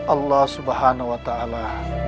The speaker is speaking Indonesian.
allah subhanahu wa ta'ala